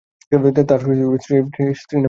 তার স্ত্রীর নাম জাহানারা সিদ্দিকী।